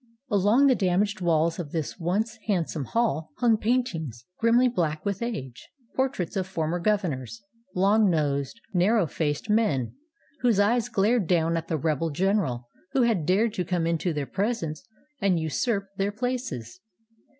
Along the damaged walls of this once hand some hall hung paintings grimly black with age; por traits of former governors — long nosed, narrow faced men, whose eyes glared down at the rebel general who had dared to come into their presence and usurp their places.